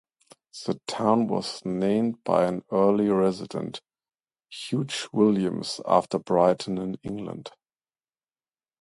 The town was named by an early resident, Hugh Williams, after Brighton in England.